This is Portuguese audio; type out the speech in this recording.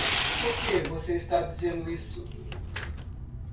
Por que você está dizendo isso?